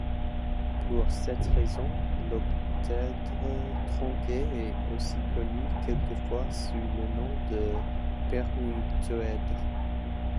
Pour cette raison, l'octaèdre tronqué est aussi connu quelquefois sous le nom de permutoèdre.